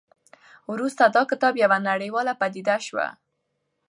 وروسته دا کتاب یوه نړیواله پدیده شوه.